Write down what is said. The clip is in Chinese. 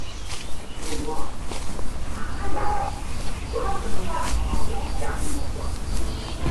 哈索小说中土大陆的虚构角色。